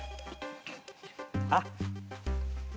あっ。